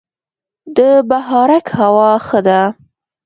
د بهارک هوا ښه ده